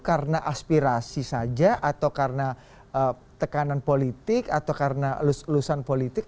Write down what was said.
karena aspirasi saja atau karena tekanan politik atau karena lulusan politik